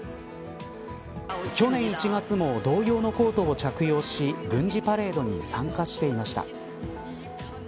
去年１月も同様のコートを着用し軍事パレードに参加していました。